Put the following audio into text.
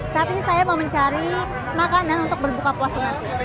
saat ini saya mau mencari makanan untuk berbuka puasa